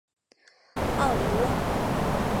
奥里翁。